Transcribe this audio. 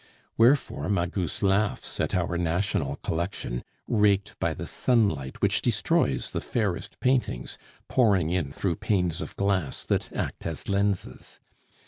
Wherefore Magus laughs at our national collection, raked by the sunlight which destroys the fairest paintings, pouring in through panes of glass that act as lenses.